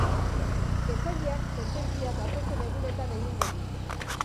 Epaileak sententzia datozen egunetan egingo du.